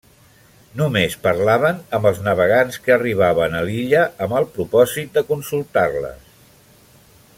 Només parlaven amb els navegants que arribaven a l'illa amb el propòsit de consultar-les.